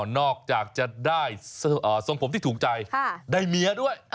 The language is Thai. นอกจากจะได้ทรงผมที่ถูกใจได้เมียด้วย